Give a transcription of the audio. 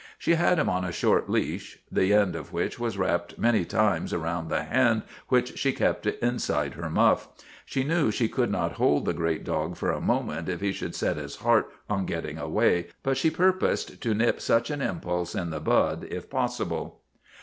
She had him on a short leash, the end of which was wrapped many times about the hand which she kept inside her muff. She knew she could not hold the great dog for a moment if he should set his heart on getting away, but she purposed to nip such an impulse in the bud if possible.